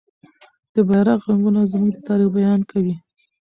د بیرغ رنګونه زموږ د تاریخ بیان کوي.